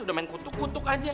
udah main kutuk kutuk aja